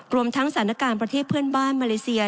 รวมทั้งสถานการณ์ประเทศเพื่อนบ้านมาเลเซีย